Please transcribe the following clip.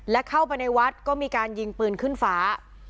และเข้าไปในวัดก็มีการยิงปืนขึ้นฟ้า